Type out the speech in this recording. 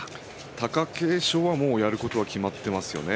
貴景勝はもうやることは決まってますよね。